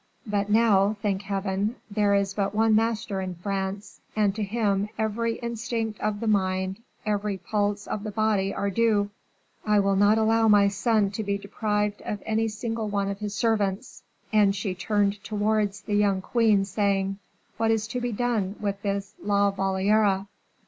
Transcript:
But now, thank Heaven, there is but one master in France, and to him every instinct of the mind, every pulse of the body are due. I will not allow my son to be deprived of any single one of his servants." And she turned towards the young queen, saying, "What is to be done with this La Valliere?"